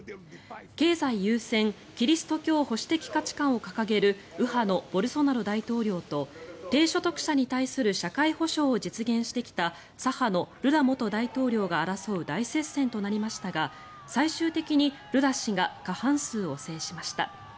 経済優先キリスト教保守的価値観を掲げる右派のボルソナロ大統領と低所得者に対する社会保障を実現してきた左派のルラ元大統領が争う大接戦となりましたが最終的にルラ氏が過半数を制しました。